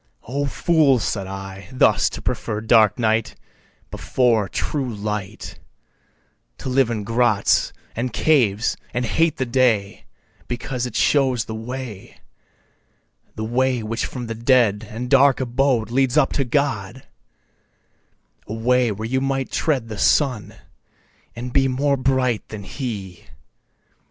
O fools (said I,) thus to prefer dark night Before true light, To live in grots, and caves, and hate the day Because it shows the way, The way which from the dead and dark abode Leads up to God, A way where you might tread the Sun, and be More bright than he.